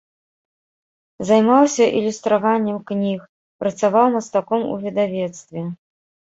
Займаўся ілюстраваннем кніг, працаваў мастаком у выдавецтве.